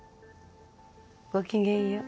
ごきげんよう